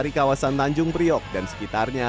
dari kawasan tanjung priok dan sekitarnya